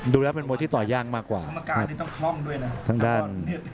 ดูแล้วเป็นมัวที่ต่อย่างมากกว่าทั้งด้าน